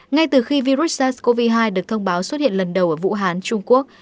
ngay từ khi virus sars cov hai được thông báo xuất hiện lần đầu ở vũ hán trung quốc